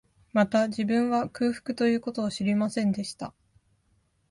また、自分は、空腹という事を知りませんでした